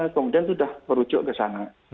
kemudian sudah merujuk ke sana